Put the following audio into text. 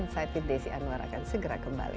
insight with desi anwar akan segera kembali